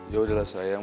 ya udah lah sayang